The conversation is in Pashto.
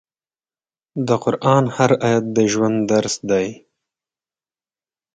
د قرآن هر آیت د ژوند درس دی.